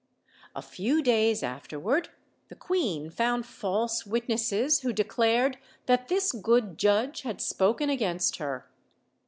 A few days afterward the queen found false witnesses who declared that this good judge had spoken against her.